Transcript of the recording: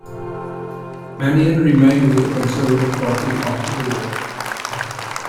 Manion remained with the Conservative Party after the war.